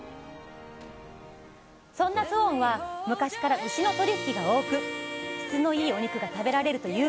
そんなスウォンは昔から牛の取り引きが多く質のいいお肉が食べられると有名です